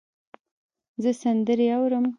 زه سندرې اورم.